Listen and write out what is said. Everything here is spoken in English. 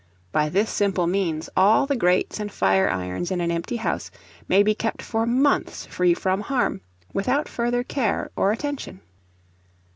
By this simple means, all the grates and fire irons in an empty house may be kept for months free from harm, without further care or attention.